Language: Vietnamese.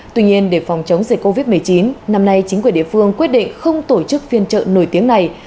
tuy nhiên để phòng chống dịch covid một mươi chín năm nay chính quyền địa phương quyết định không tổ chức phiên trợ nổi tiếng này